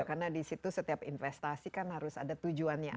karena di situ setiap investasi kan harus ada tujuannya apa